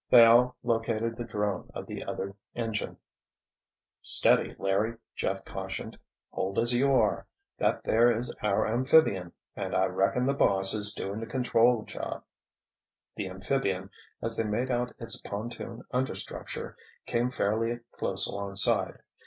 They all located the drone of the other engine. "Steady, Larry!" Jeff cautioned. "Hold as you are. That there is our amphibian—and I reckon the boss is doing the control job." The amphibian, as they made out its pontoon understructure, came fairly close alongside.